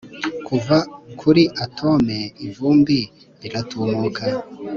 Kuva kuri atome ivumbi riratumaka